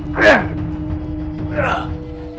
apa sih terakhir